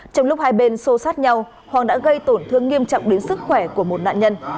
trong lúc hai bên xô sát nhau hoàng đã gây tổn thương nghiêm trọng đến sức khỏe của một nạn nhân